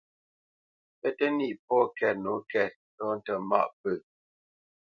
Pə́ tə nîʼ pɔ̂ kɛ́t nǒ kɛ́t ndɔ̂ tə mâʼ pə̂.